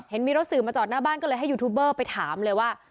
เห็นมีรถสื่อมาจอดหน้าบ้านก็เลยให้ยูทูบเบอร์ไปถามเลยว่า